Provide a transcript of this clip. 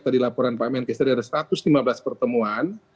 tadi laporan pak menkes tadi ada satu ratus lima belas pertemuan